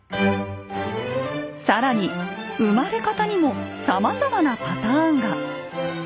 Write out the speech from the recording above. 更に「生まれ方」にもさまざまなパターンが！